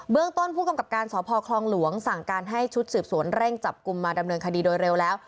เรื่องต้นผู้กำกับการสพคลองหลวงสั่งการให้ชุดสืบสวนเร่งจับกลุ่มมาดำเนินคดีโดยเร็วแล้ว